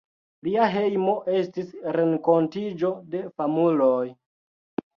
Lia hejmo estis renkontiĝo de famuloj.